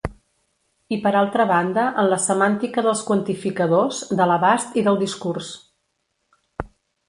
I per altra banda en la semàntica dels quantificadors, de l'abast i del discurs.